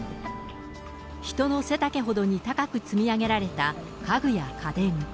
人の背丈ほどに高く積み上げられた家具や家電。